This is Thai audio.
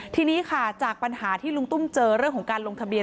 ทีนี้ค่ะจากปัญหาที่ลุงตุ้มเจอเรื่องของการลงทะเบียน